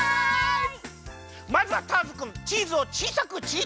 まずはターズくんチーズをちいさくちぎってください。